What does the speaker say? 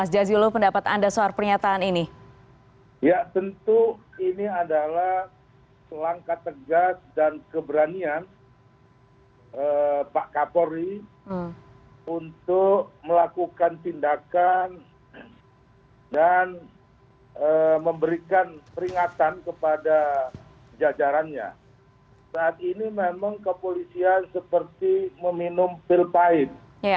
jajarannya saat ini memang kepolisian seperti meminum pil pahit